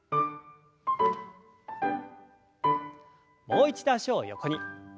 もう一度脚を横に。